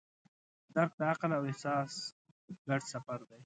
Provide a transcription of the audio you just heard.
درک د عقل او احساس ګډ سفر دی.